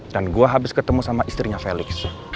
dan gue habis ketemu sama istrinya felix